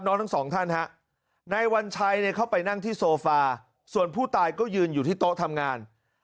ทั้งสองท่านฮะนายวัญชัยเข้าไปนั่งที่โซฟาส่วนผู้ตายก็ยืนอยู่ที่โต๊ะทำงาน